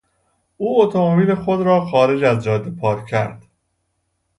او اتومبیل خود را خارج از جاده پارک کرد.